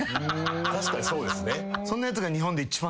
確かにそうですね。